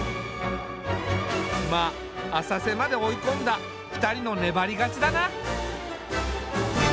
まあ浅瀬まで追い込んだ２人の粘り勝ちだな。